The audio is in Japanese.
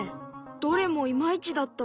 どれもいまいちだった。